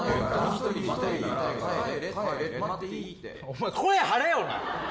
お前声張れよな。